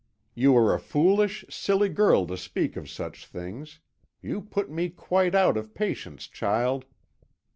You are a foolish, silly girl to speak of such things. You put me quite out of patience, child."